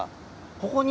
ここに。